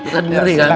kan ngeri kan